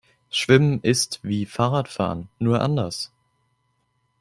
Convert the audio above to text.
Schwimmen ist wie Fahrradfahren, nur anders.